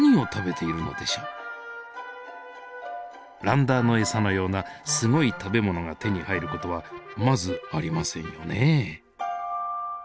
ランダーの餌のようなすごい食べ物が手に入る事はまずありませんよね。